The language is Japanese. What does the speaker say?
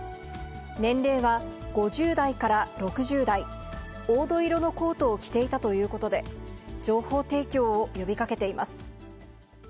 年齢は５０代から６０代、黄土色のコートを着ていたということで、情報提供を呼びかけています。